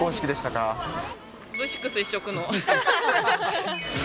Ｖ６一色の。